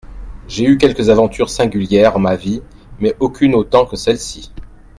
J'ai eu quelques aventures singulières en ma vie, mais aucune autant que celle-ci.